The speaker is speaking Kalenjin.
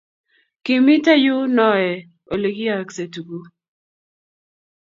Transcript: kimito yu noe ole kiyaaksae tuguk